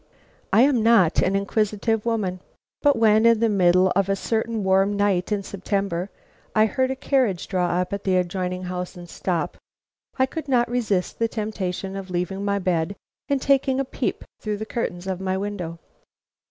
I am not an inquisitive woman, but when, in the middle of a certain warm night in September, I heard a carriage draw up at the adjoining house and stop, I could not resist the temptation of leaving my bed and taking a peep through the curtains of my window.